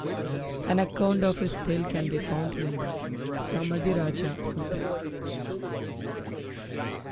An account of his tale can be found in the "Samadhiraja Sutra".